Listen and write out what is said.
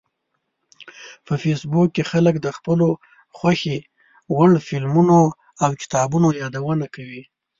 په فېسبوک کې خلک د خپلو خوښې وړ فلمونو او کتابونو یادونه کوي